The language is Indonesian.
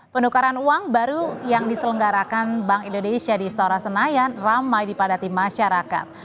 penukaran uang baru yang diselenggarakan bank indonesia di istora senayan ramai dipadati masyarakat